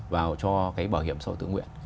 vào cho cái bảo hiểm xã hội tự nguyện